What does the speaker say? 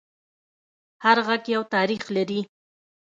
هر غږ یو تاریخ لري